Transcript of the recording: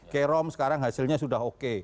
kerom sekarang hasilnya sudah oke